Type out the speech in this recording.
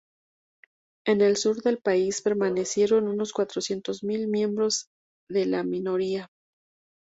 En el sur del país permanecieron unos cuatrocientos mil miembros de la minoría.